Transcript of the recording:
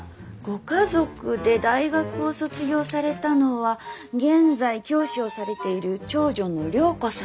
ご家族で大学を卒業されたのは現在教師をされている長女の良子さんだけ。